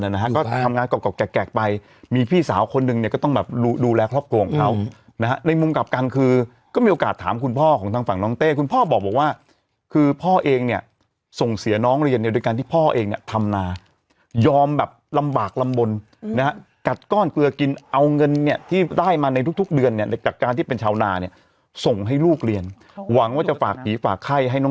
นะฮะในมุมกลับกลางคือก็มีโอกาสถามคุณพ่อของทางฝั่งน้องเต้คุณพ่อบอกบอกว่าคือพ่อเองเนี้ยส่งเสียน้องเรียนเนี้ยโดยการที่พ่อเองเนี้ยทำนายอมแบบลำบากลำบนนะฮะกัดก้อนเกลือกินเอาเงินเนี้ยที่ได้มาในทุกทุกเดือนเนี้ยในกักการที่เป็นชาวนาเนี้ยส่งให้ลูกเรียนหวังว่าจะฝาก